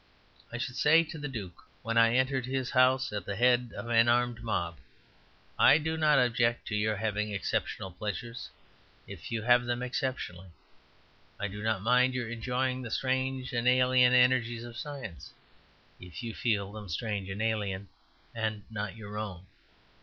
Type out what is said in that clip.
I should say to the duke, when I entered his house at the head of an armed mob, "I do not object to your having exceptional pleasures, if you have them exceptionally. I do not mind your enjoying the strange and alien energies of science, if you feel them strange and alien, and not your own.